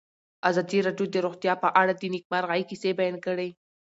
ازادي راډیو د روغتیا په اړه د نېکمرغۍ کیسې بیان کړې.